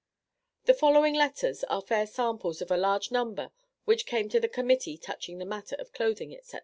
The following letters are fair samples of a large number which came to the Committee touching the matter of clothing, etc.